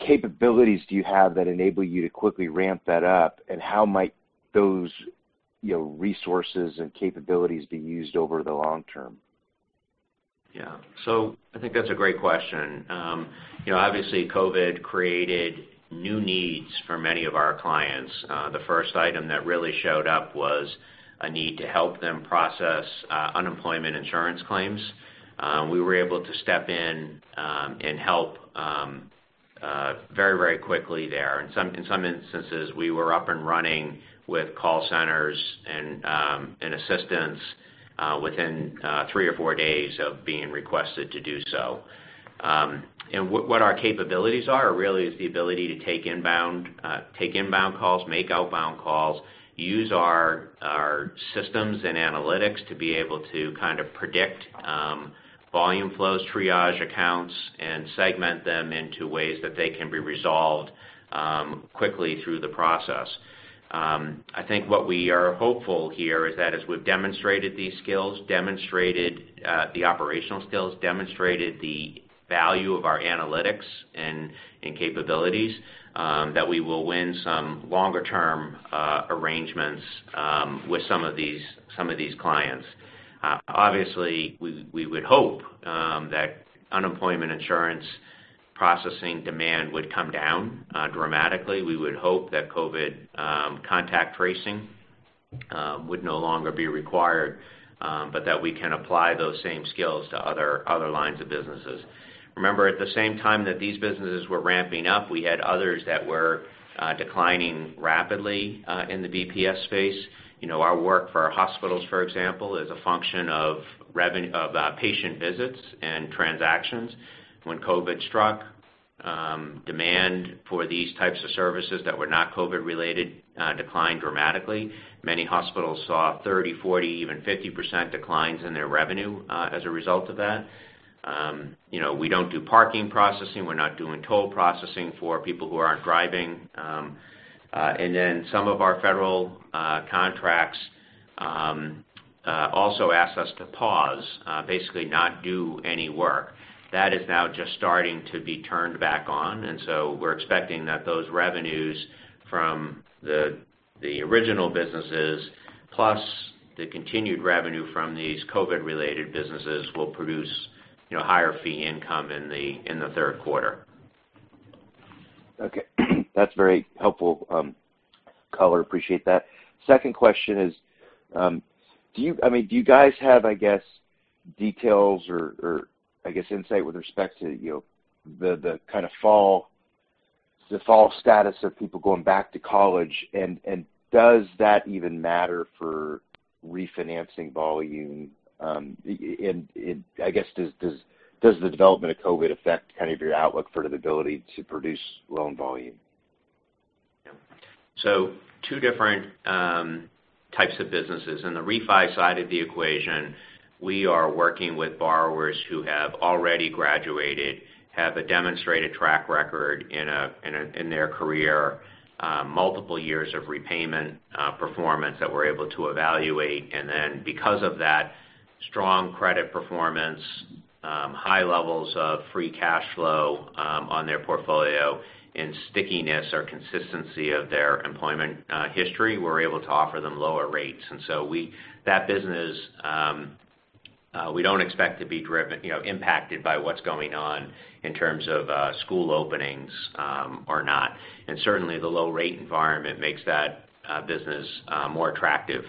capabilities do you have that enable you to quickly ramp that up, and how might those resources and capabilities be used over the long term? Yeah. I think that's a great question. Obviously, COVID created new needs for many of our clients. The first item that really showed up was a need to help them process unemployment insurance claims. We were able to step in and help very quickly there. In some instances, we were up and running with call centers and assistance within three or four days of being requested to do so. What our capabilities are really is the ability to take inbound calls, make outbound calls, use our systems and analytics to be able to kind of predict volume flows, triage accounts, and segment them into ways that they can be resolved quickly through the process. I think what we are hopeful here is that as we've demonstrated these skills, demonstrated the operational skills, demonstrated the value of our analytics and capabilities, that we will win some longer-term arrangements with some of these clients. We would hope that unemployment insurance processing demand would come down dramatically. We would hope that COVID contact tracing would no longer be required but that we can apply those same skills to other lines of businesses. At the same time that these businesses were ramping up, we had others that were declining rapidly in the BPS space. Our work for our hospitals, for example, is a function of patient visits and transactions. When COVID struck, demand for these types of services that were not COVID related declined dramatically. Many hospitals saw 30%, 40%, even 50% declines in their revenue as a result of that. We don't do parking processing. We're not doing toll processing for people who aren't driving. Some of our federal contracts also asked us to pause, basically not do any work. That is now just starting to be turned back on, and so we're expecting that those revenues from the original businesses, plus the continued revenue from these COVID-related businesses, will produce higher fee income in the third quarter. Okay. That's very helpful color. Appreciate that. Second question is do you guys have, I guess, details or insight with respect to the kind of fall status of people going back to college, and does that even matter for refinancing volume? I guess, does the development of COVID-19 affect kind of your outlook for the ability to produce loan volume? Yeah. Two different types of businesses. In the refi side of the equation, we are working with borrowers who have already graduated, have a demonstrated track record in their career, multiple years of repayment performance that we're able to evaluate. Because of that strong credit performance, high levels of free cash flow on their portfolio, and stickiness or consistency of their employment history, we're able to offer them lower rates. That business we don't expect to be driven, impacted by what's going on in terms of school openings or not. Certainly, the low rate environment makes that business more attractive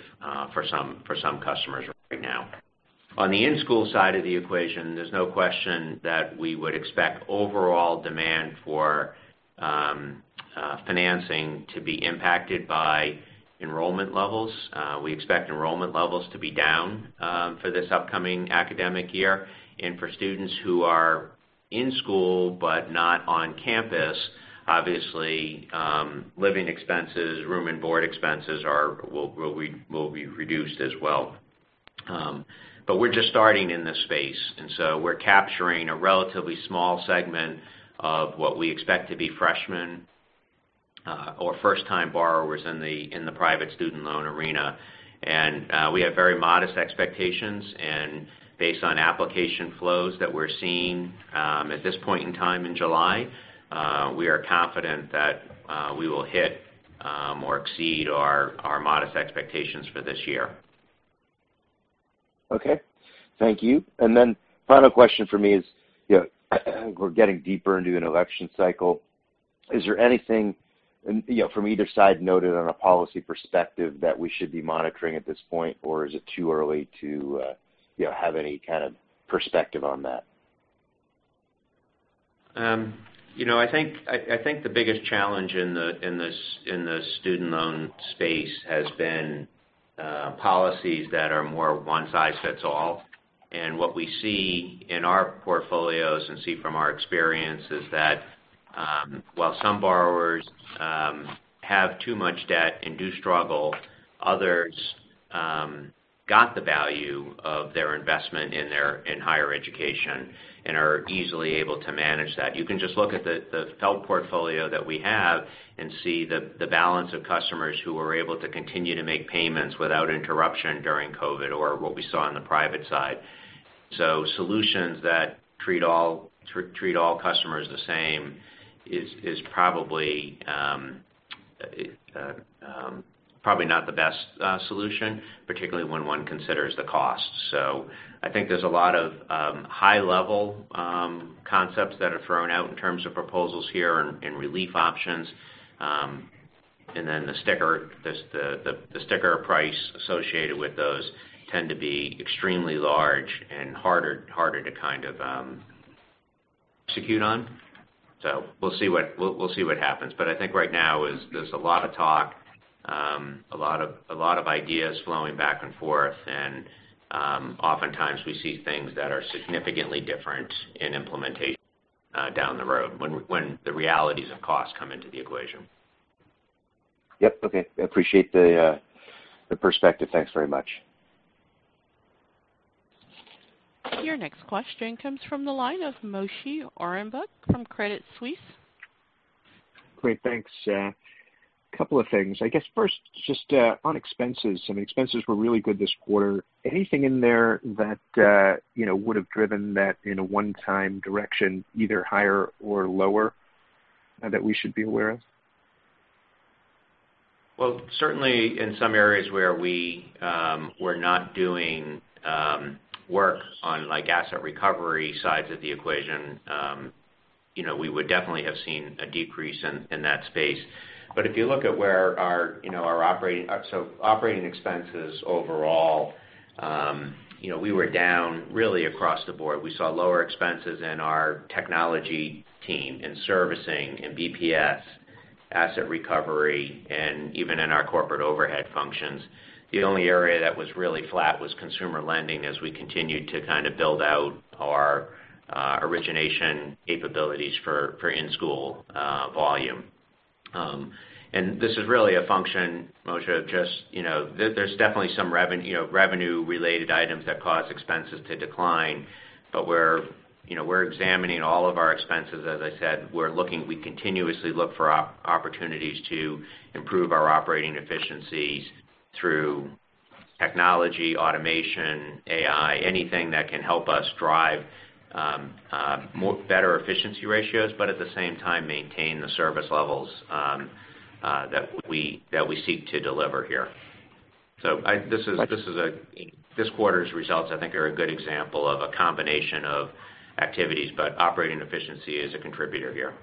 for some customers right now. On the in-school side of the equation, there's no question that we would expect overall demand for financing to be impacted by enrollment levels. We expect enrollment levels to be down for this upcoming academic year. For students who are in school but not on campus, obviously, living expenses, room and board expenses will be reduced as well. We're just starting in this space, and so we're capturing a relatively small segment of what we expect to be freshmen or first-time borrowers in the private student loan arena. We have very modest expectations. Based on application flows that we're seeing at this point in time in July, we are confident that we will hit or exceed our modest expectations for this year. Okay. Thank you. Final question from me is, we're getting deeper into an election cycle. Is there anything from either side noted on a policy perspective that we should be monitoring at this point, or is it too early to have any kind of perspective on that? I think the biggest challenge in the student loan space has been policies that are more one-size-fits-all. What we see in our portfolios and see from our experience is that while some borrowers have too much debt and do struggle, others got the value of their investment in higher education and are easily able to manage that. You can just look at the FFEL portfolio that we have and see the balance of customers who are able to continue to make payments without interruption during COVID, or what we saw on the private side. Solutions that treat all customers the same is probably not the best solution, particularly when one considers the cost. I think there's a lot of high-level concepts that are thrown out in terms of proposals here and relief options. The sticker price associated with those tend to be extremely large and harder to execute on. We'll see what happens. I think right now there's a lot of talk, a lot of ideas flowing back and forth, and oftentimes we see things that are significantly different in implementation down the road when the realities of cost come into the equation. Yep. Okay. I appreciate the perspective. Thanks very much. Your next question comes from the line of Moshe Orenbuch from Credit Suisse. Great. Thanks. Couple of things. I guess first, just on expenses. I mean, expenses were really good this quarter. Anything in there that would've driven that in a one-time direction, either higher or lower that we should be aware of? Well, certainly in some areas where we were not doing work on asset recovery sides of the equation, we would definitely have seen a decrease in that space. If you look at where our operating expenses overall we were down really across the board. We saw lower expenses in our technology team, in servicing, in BPS, asset recovery, and even in our corporate overhead functions. The only area that was really flat was consumer lending as we continued to build out our origination capabilities for in-school volume. This is really a function, Moshe, of just there's definitely some revenue-related items that cause expenses to decline. We're examining all of our expenses, as I said. We continuously look for opportunities to improve our operating efficiencies through technology, automation, AI, anything that can help us drive better efficiency ratios, at the same time, maintain the service levels that we seek to deliver here. This quarter's results, I think, are a good example of a combination of activities, but operating efficiency is a contributor here.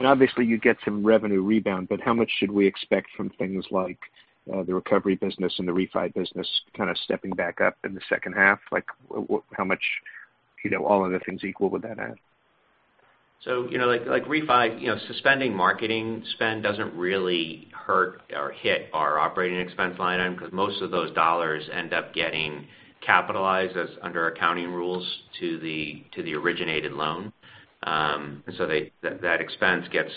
Obviously, you get some revenue rebound, but how much should we expect from things like the recovery business and the refi business kind of stepping back up in the second half? How much, all other things equal, would that add? Like refi, suspending marketing spend doesn't really hurt or hit our operating expense line item because most of those dollars end up getting capitalized as under accounting rules to the originated loan. That expense gets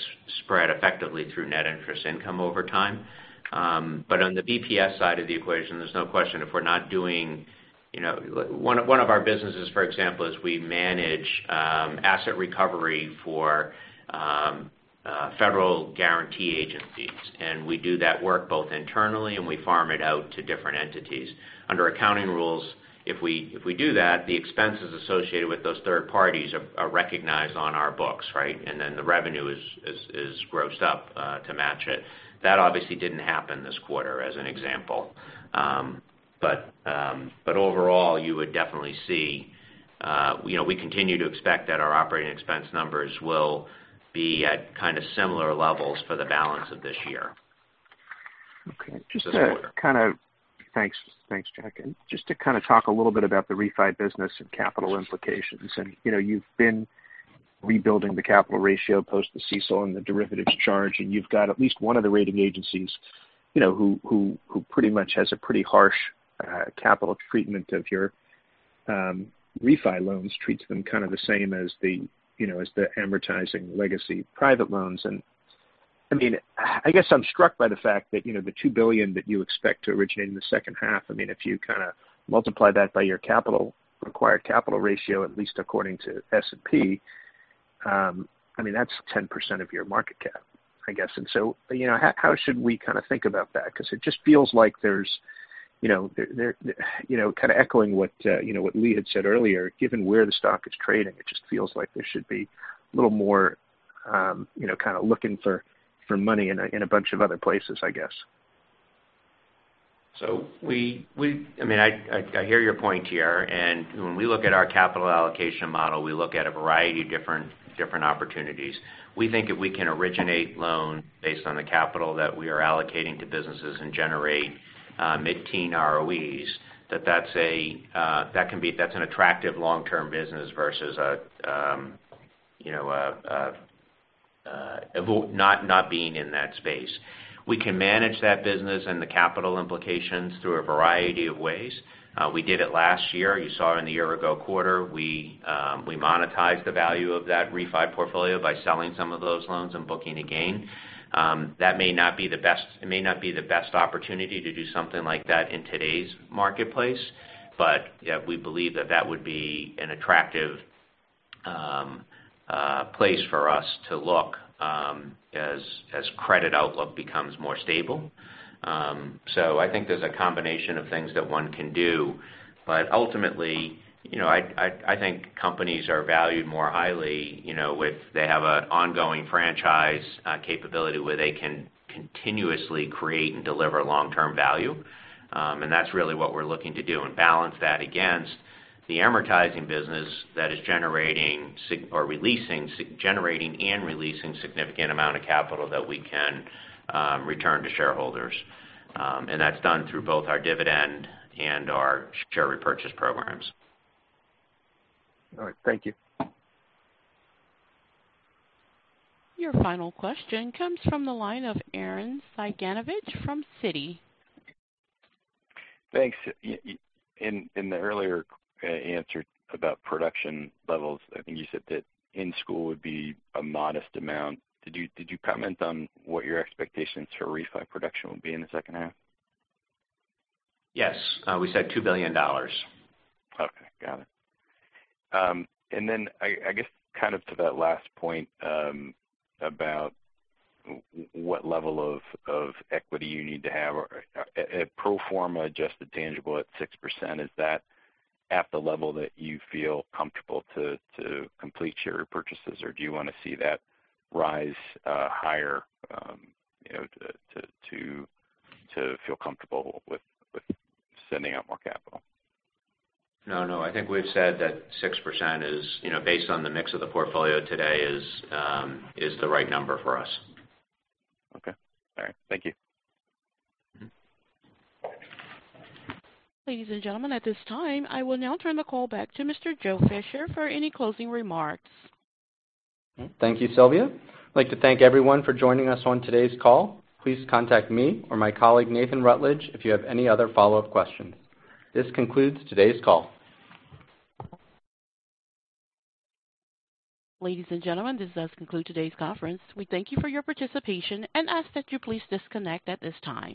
spread effectively through net interest income over time. On the BPS side of the equation, there's no question. One of our businesses, for example, is we manage asset recovery for Federal guarantee agencies. We do that work both internally, and we farm it out to different entities. Under accounting rules, if we do that, the expenses associated with those third parties are recognized on our books, right? The revenue is grossed up to match it. That obviously didn't happen this quarter, as an example. Overall, We continue to expect that our operating expense numbers will be at kind of similar levels for the balance of this year. Okay. This quarter. Thanks, Jack. Just to kind of talk a little bit about the refi business and capital implications. You've been rebuilding the capital ratio post the CECL and the derivatives charge, you've got at least one of the rating agencies who pretty much has a pretty harsh capital treatment of your refi loans, treats them kind of the same as the amortizing legacy private loans. I guess I'm struck by the fact that the $2 billion that you expect to originate in the second half, if you kind of multiply that by your required capital ratio, at least according to S&P, that's 10% of your market cap, I guess. How should we kind of think about that? Kind of echoing what Lee had said earlier, given where the stock is trading, it just feels like there should be a little more kind of looking for money in a bunch of other places, I guess. I hear your point here, and when we look at our capital allocation model, we look at a variety of different opportunities. We think if we can originate loans based on the capital that we are allocating to businesses and generate mid-teen ROEs, that that's an attractive long-term business versus not being in that space. We can manage that business and the capital implications through a variety of ways. We did it last year. You saw it in the year-ago quarter. We monetized the value of that refi portfolio by selling some of those loans and booking a gain. It may not be the best opportunity to do something like that in today's marketplace, but we believe that that would be an attractive place for us to look as credit outlook becomes more stable. I think there's a combination of things that one can do. Ultimately, I think companies are valued more highly if they have an ongoing franchise capability where they can continuously create and deliver long-term value, and that's really what we're looking to do and balance that against the amortizing business that is generating and releasing significant amount of capital that we can return to shareholders. That's done through both our dividend and our share repurchase programs. All right. Thank you. Your final question comes from the line of Arren Cyganovich from Citi. Thanks. In the earlier answer about production levels, I think you said that in school would be a modest amount. Did you comment on what your expectations for refi production would be in the second half? Yes. We said $2 billion. Okay. Got it. I guess kind of to that last point about what level of equity you need to have or pro forma adjusted tangible at 6%, is that at the level that you feel comfortable to complete share repurchases, or do you want to see that rise higher to feel comfortable with sending out more capital? No, I think we've said that 6% is based on the mix of the portfolio today is the right number for us. Okay. All right. Thank you. Ladies and gentlemen, at this time, I will now turn the call back to Mr. Joe Fisher for any closing remarks. Thank you, Sylvia. I'd like to thank everyone for joining us on today's call. Please contact me or my colleague, Nathan Rutledge, if you have any other follow-up questions. This concludes today's call. Ladies and gentlemen, this does conclude today's conference. We thank you for your participation and ask that you please disconnect at this time.